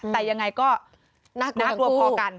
แต่ยังไงก็น่ากลัวพอกัน